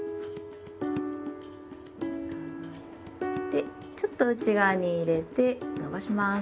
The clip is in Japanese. でちょっと内側に入れて伸ばします。